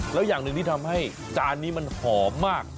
แล้วอย่างหนึ่งที่ทำให้จานนี้มันหอมมาก